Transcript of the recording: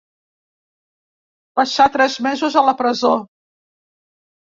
Passà tres mesos a la presó.